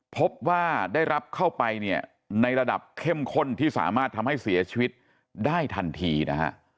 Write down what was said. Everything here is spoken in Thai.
พบว่าได้รับเข้าไปเนี่ยในระดับเข้มข้นที่สามารถทำให้เสียชีวิตได้ทันทีนะฮะ